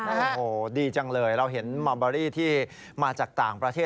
โอ้โหดีจังเลยเราเห็นมาเบอรี่ที่มาจากต่างประเทศ